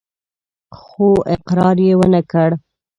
خو اقرار يې ونه کړ.